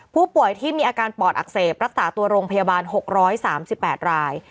ผู้ป่วยที่มีอาการปอดอักเสบรักษาตัวโรงพยาบาล๖๓๘ราย